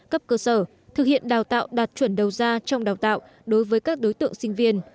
cấp cơ sở thực hiện đào tạo đạt chuẩn đầu ra trong đào tạo đối với các đối tượng sinh viên